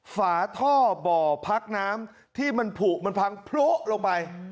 ฝาท่อบ่อพักน้ำที่มันผูกมันพังโพะลงไป